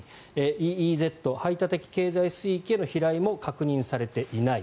ＥＥＺ・排他的経済水域への飛来も確認されていない。